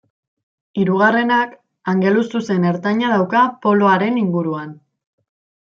Hirugarrenak angeluzuzen ertaina dauka poloaren inguruan.